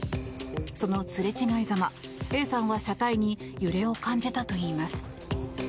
そのすれ違いざまＡさんは車体に揺れを感じたといいます。